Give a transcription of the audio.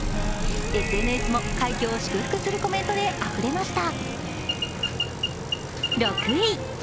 ＳＮＳも快挙を祝福するコメントであふれました。